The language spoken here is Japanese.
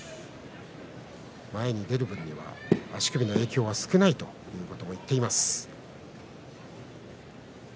前に出る分には足首の影響は少ないということを言っています。